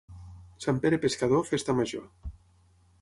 Sant Pere Pescador, festa major.